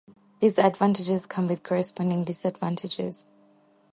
These advantages come with corresponding disadvantages.